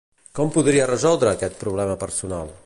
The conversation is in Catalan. Com podria resoldre aquest problema personal?